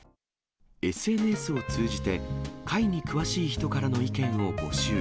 ＳＮＳを通じて、貝に詳しい人からの意見を募集。